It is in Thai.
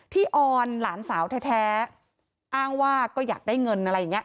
ออนหลานสาวแท้อ้างว่าก็อยากได้เงินอะไรอย่างนี้